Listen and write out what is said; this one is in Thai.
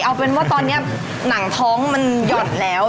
เอาเป็นว่าตอนนี้หนังท้องมันหย่อนแล้ว